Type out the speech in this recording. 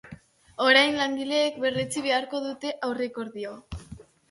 Orain, langileek berretsi beharko dute aurrekordioa.